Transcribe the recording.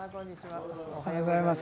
おはようございます。